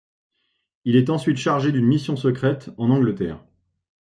Il est ensuite chargé d'une mission secrète en Angleterre.